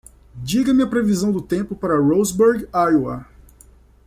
Diga-me a previsão do tempo para Roseburg? Iowa